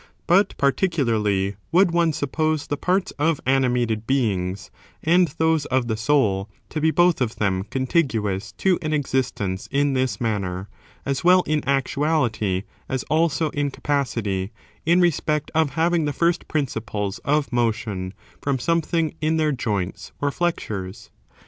But particularly would one suppose the parts of animated beings, and those of the soul, to be both of them contiguous to an existence in this manner, as well in actuality as also in capacity, in respect of having the first principles of motion from something in their joints or flexures.